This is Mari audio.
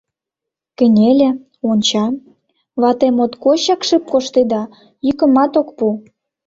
Кынеле, онча: вате моткочак шып коштеда, йӱкымат ок пу.